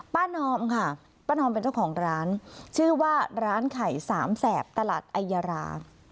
นอมค่ะป้านอมเป็นเจ้าของร้านชื่อว่าร้านไข่สามแสบตลาดไอยารา